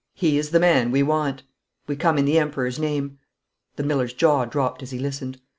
'He is the man we want. We come in the Emperor's name.' The miller's jaw dropped as he listened.